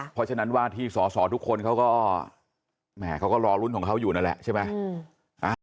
เพราะฉะนั้นว่าที่สอสอทุกคนเขาก็แหมเขาก็รอลุ้นของเขาอยู่นั่นแหละใช่ไหม